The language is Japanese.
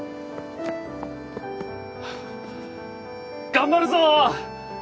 頑張るぞー！